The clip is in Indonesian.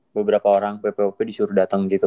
beberapa orang ppop disuruh datang gitu